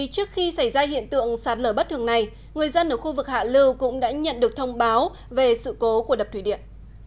do hiện tượng sát lở bất thường này người dân ở khu vực hạ lưu cũng đã nhận được thông báo về sự cố của đập thủy điện